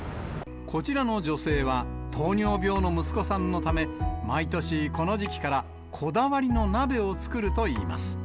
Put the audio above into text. こちらの女性は、糖尿病の息子さんのため、毎年、この時期からこだわりの鍋を作るといいます。